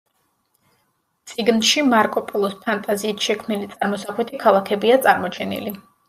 წიგნში მარკო პოლოს ფანტაზიით შექმნილი წარმოსახვითი ქალაქებია წარმოჩენილი.